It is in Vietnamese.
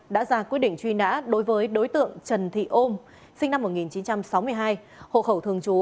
đã ra quyết định truy nã đối với đối tượng trần thị ôm sinh năm một nghìn chín trăm sáu mươi hai hộ khẩu thường trú